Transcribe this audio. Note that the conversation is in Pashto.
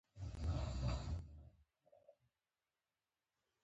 زه غواړم چي ساینس ښه سم زده کړم.